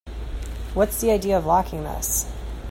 What's the idea of locking this?